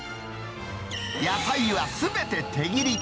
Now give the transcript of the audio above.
野菜はすべて手切り。